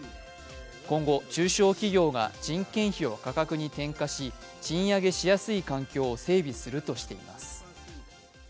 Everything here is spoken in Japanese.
今後、中小企業が人件費を価格に転嫁し賃上げしやすい環境を整備するとしています。